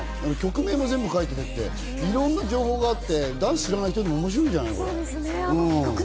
曲名書いてあって、いろいろな情報があって、ダンス知らない人でも面白いんじゃないの？